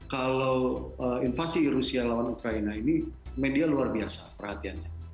kalau invasi rusia lawan ukraina ini media luar biasa perhatiannya